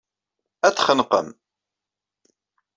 Ad t-txenqem.